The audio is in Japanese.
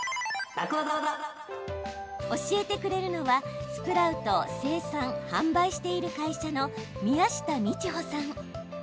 教えてくれるのは、スプラウトを生産・販売している会社の宮下迪帆さん。